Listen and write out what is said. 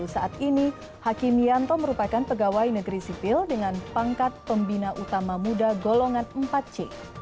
saat ini hakim yanto merupakan pegawai negeri sipil dengan pangkat pembina utama muda golongan empat c